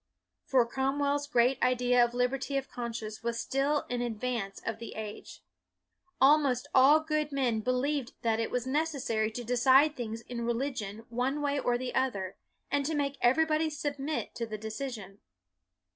For Cromwell's great idea of liberty of conscience was still in advance of the age. Almost all good men believed that it was necessary to decide things in religion one way or the other, and to make every body submit to the decision.